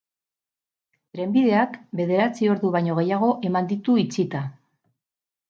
Trenbideak bederatzi ordu baino gehiago eman ditu itxita.